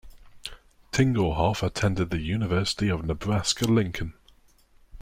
Tingelhoff attended the University of Nebraska-Lincoln.